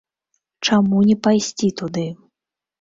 Чаму не пайсці туды?